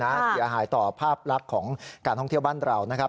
เสียหายต่อภาพลักษณ์ของการท่องเที่ยวบ้านเรานะครับ